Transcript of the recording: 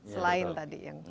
selain tadi yang